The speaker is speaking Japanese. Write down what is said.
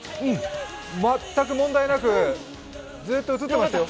全く問題なく、ずっと映ってましたよ。